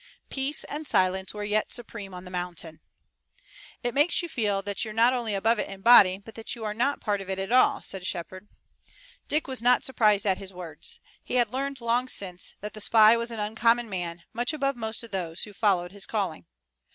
Peace and silence were yet supreme on the mountain. "It makes you feel that you're not only above it in the body, but that you are not a part of it at all," said Shepard. Dick was not surprised at his words. He had learned long since that the spy was an uncommon man, much above most of those who followed his calling.